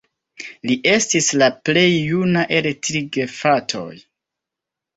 Li estis la plej juna el tri gefratoj.